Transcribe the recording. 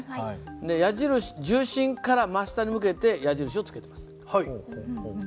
で重心から真下に向けて矢印をつけてます。